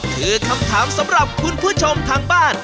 คือคำถามสำหรับคุณผู้ชมทางบ้าน